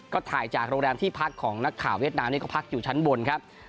ก็ถ่ายจากโรงแรมที่พักของนักข่าวเวียดนาม